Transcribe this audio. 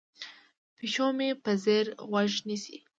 پیشو مې په ځیر غوږ نیسي.